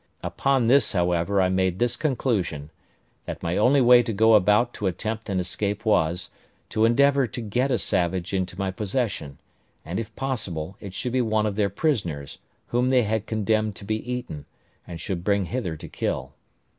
Upon this, however, I made this conclusion: that my only way to go about to attempt an escape was, to endeavour to get a savage into my possession: and, if possible, it should be one of their prisoners, whom they had condemned to be eaten, and should bring hither to kill.